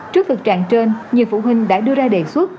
trước vực tràn trên nhiều phụ huynh đã đưa ra đề xuất